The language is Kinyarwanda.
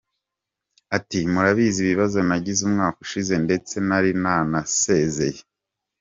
Ati “Murabizi ibibazo nagize umwaka ushize ndetse nari nanasezeye.